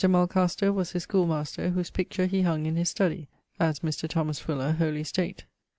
Mulcaster[G] was his schoolemaster, whose picture he hung in his studie (as Mr. Thomas Fuller, Holy State).